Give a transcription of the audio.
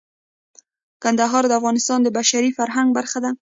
کندهار د افغانستان د بشري فرهنګ برخه ده.